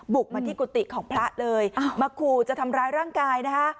บุกมาที่กุฏิของพระเลยมาขู่จะทำร้ายร่างกายนะคะ